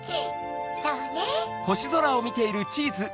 そうね。